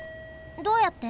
どうやって？